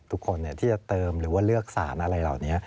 ทุกคนที่จะเติมหรือว่าเลือกสารอะไรเหล่านี้